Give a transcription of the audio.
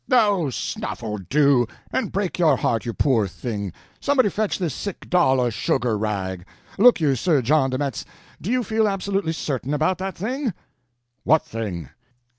"Oh, snuffle—do! and break your heart, you poor thing. Somebody fetch this sick doll a sugar rag. Look you, Sir Jean de Metz, do you feel absolutely certain about that thing?" "What thing?"